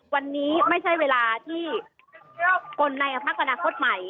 วันนี้ไม่ใช่เวลาที่คนในพักอนาคตใหม่